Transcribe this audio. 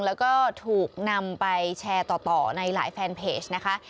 แล้วก็ถูกนำไปแชร์ต่อในหลายแฟนเพจนะคะ